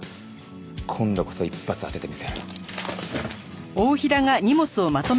今度こそ一発当ててみせる。